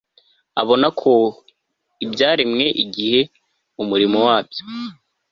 abona ko ibyaremwe igihe umurimo wabyo